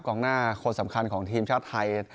กองหน้าคนสำคัญของทีมชาติไทย